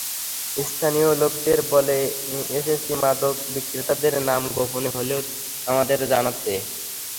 স্থানীয় লোকদের বলে এসেছি মাদক বিক্রেতাদের নাম গোপনে হলেও আমাদের জানাতে।